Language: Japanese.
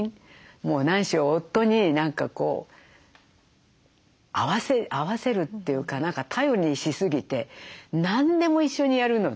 もう何しろ夫に何かこう合わせるっていうか何か頼りにしすぎて何でも一緒にやるので。